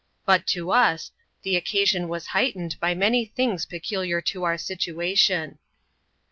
But to us, the occasion was heightened by many things peculiar to our situation.